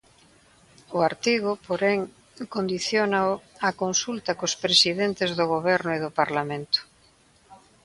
O artigo, porén, condiciónao á consulta cos presidentes do Goberno e do Parlamento.